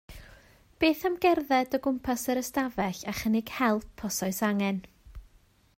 Beth am gerdded o gwmpas yr ystafell a chynnig help os oes angen?